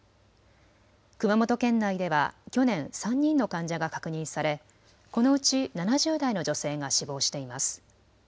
熊本県内では去年、３人の患者が確認され、このうち７０代の女性が死亡しています。